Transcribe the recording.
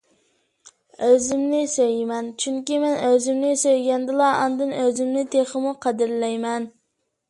ئۆزۈمنى سۆيىمەن، چۈنكى مەن ئۆزۈمنى سۆيگەندىلا ئاندىن ئۆزۈمنى تېخىمۇ قەدىرلەيمەن.